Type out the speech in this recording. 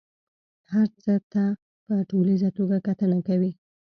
هر څه ته په ټوليزه توګه کتنه کوي.